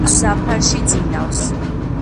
დათვს ზამთარში ძინავს